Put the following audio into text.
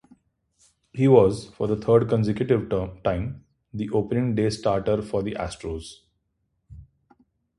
He was for the third consecutive time, the opening day starter for the Astros.